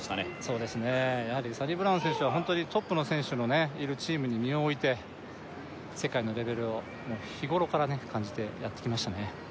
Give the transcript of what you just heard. そうですねやはりサニブラウン選手はホントにトップの選手のねいるチームに身を置いて世界のレベルを日頃からね感じてやってきましたね